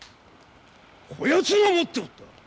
こやつが持っておった！